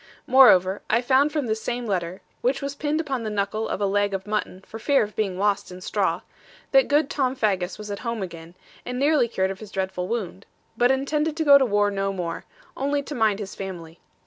Moreover, I found from this same letter (which was pinned upon the knuckle of a leg of mutton, for fear of being lost in straw) that good Tom Faggus was at home again, and nearly cured of his dreadful wound; but intended to go to war no more, only to mind his family.